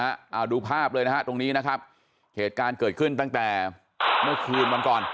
เอาดูภาพเลยนะฮะตรงนี้นะครับเหตุการณ์เกิดขึ้นตั้งแต่เมื่อคืนวันก่อน